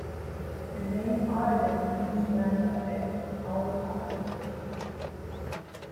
The name "Araden" means "Land of Eden" in old Aramaic.